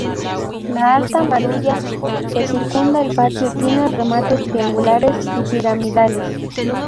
La alta muralla que circunda el patio tiene remates triangulares y piramidales.